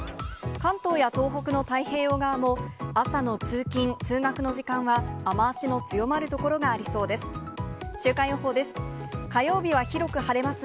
関東や東北の太平洋側も、朝の通勤・通学の時間は雨足の強まる所がありそうです。